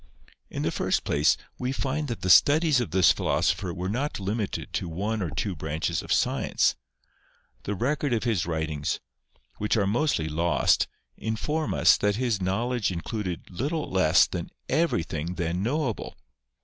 In the first place, we find that the studies of this philosopher were not limited to one or two branches of science. The record of his writings, which are mostly lost, informs us that his knowledge included little less than everything then knowable.